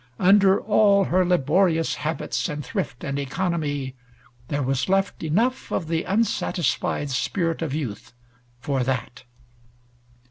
Under all her laborious habits and thrift and economy there was left enough of the unsatisfied spirit of youth for that.